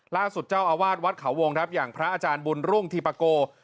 ล่าสุดเจ้าอาวาสวัดเขาวงครับอย่างพระอาจารย์บุญรุ่งธีปะโก